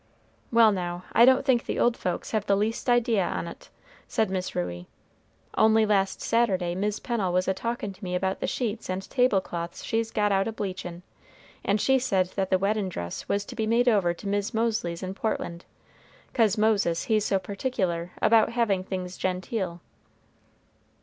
"Well, now, I don't think the old folks have the least idea on't," said Miss Ruey. "Only last Saturday Mis' Pennel was a talkin' to me about the sheets and tablecloths she's got out a bleachin'; and she said that the weddin' dress was to be made over to Mis' Mosely's in Portland, 'cause Moses he's so particular about havin' things genteel."